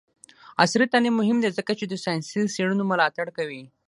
عصري تعلیم مهم دی ځکه چې د ساینسي څیړنو ملاتړ کوي.